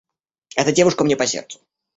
Эта девушка мне по сердцу.